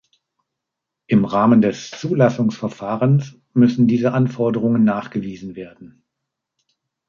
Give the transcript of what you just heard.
Im Rahmen des Zulassungsverfahrens müssen diese Anforderungen nachgewiesen werden.